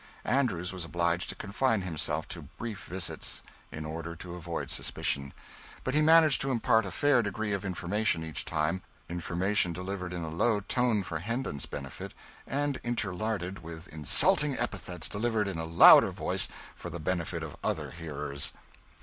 Andrews was obliged to confine himself to brief visits, in order to avoid suspicion; but he managed to impart a fair degree of information each time information delivered in a low voice, for Hendon's benefit, and interlarded with insulting epithets delivered in a louder voice for the benefit of other hearers.